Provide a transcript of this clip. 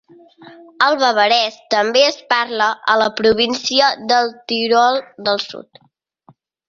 El bavarès també es parla a la província del Tirol del Sud.